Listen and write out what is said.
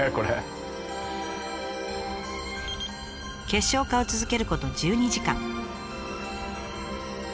結晶化を続けること１２時間。